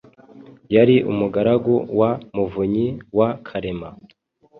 yari umugaragu wa Muvunyi wa Karema